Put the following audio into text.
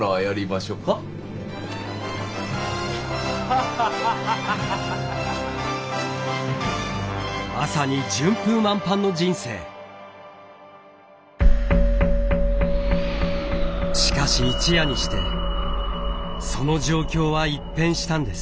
しかし一夜にしてその状況は一変したんです。